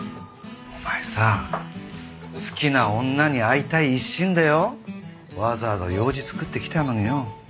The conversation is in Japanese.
お前さ好きな女に会いたい一心でよわざわざ用事作って来たのによ。